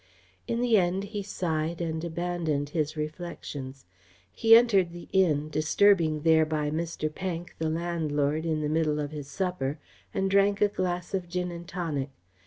In the end he sighed and abandoned his reflections. He entered the inn, disturbing thereby Mr. Pank, the landlord, in the middle of his supper, and drank a glass of gin and tonic.